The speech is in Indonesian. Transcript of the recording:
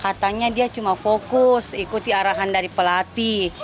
katanya dia cuma fokus ikuti arahan dari pelatih